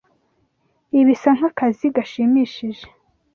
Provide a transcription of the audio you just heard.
Ibi bisa nkakazi gashimishije.